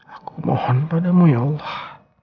aku mohon padamu ya allah